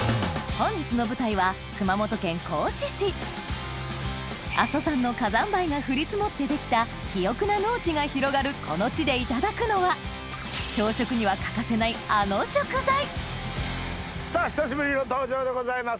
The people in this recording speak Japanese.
本日の舞台は阿蘇山の火山灰が降り積もって出来た肥沃な農地が広がるこの地でいただくのはさぁ久しぶりの登場でございます。